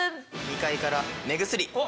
二階から目薬。